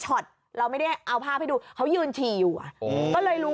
เราไม่ได้เอาภาพให้ดูเขายืนฉี่อยู่อ่ะก็เลยรู้